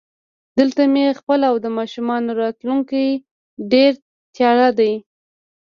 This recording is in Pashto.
دلته مې خپل او د ماشومانو راتلونکی ډېر تیاره دی